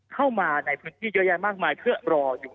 เข้ามาในพื้นที่เยอะแยะมากมายเพื่อรออยู่